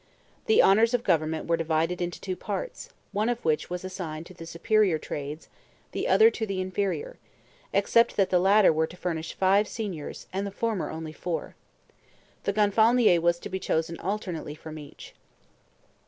The honors of government were divided into two parts, one of which was assigned to the superior trades, the other to the inferior; except that the latter were to furnish five Signors, and the former only four. The Gonfalonier was to be chosen alternately from each.